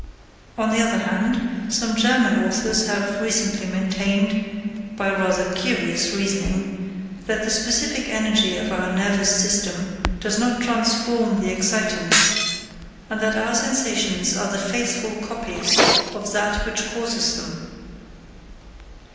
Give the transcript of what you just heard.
On the other hand, some German authors have recently maintained, by rather curious reasoning, that the specific energy of our nervous system does not transform the excitants, and that our sensations are the faithful copies of that which causes them.